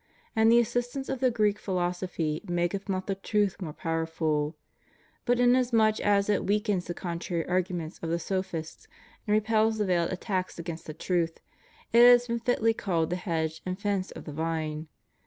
And the assistance of the Greek philosophy maketh not the truth more power ful; but inasmuch as it weakens the contrary arguments of the sophists and repels the veiled attacks against the truth, it has been fitly called the hedge and fence of the vine.